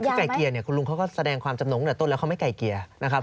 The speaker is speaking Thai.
จริงได้ไก่เกลียเนี่ยคุณลุงก็แสดงความจำนงแต่ต้นแล้วไม่ไก่เกลียนะครับ